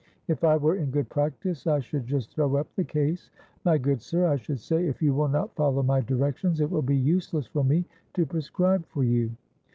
"If I were in good practice I should just throw up the case. 'My good sir,' I should say, 'if you will not follow my directions it will be useless for me to prescribe for you.